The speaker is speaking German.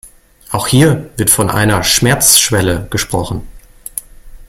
Auch hier wird von einer „Schmerzschwelle“ gesprochen.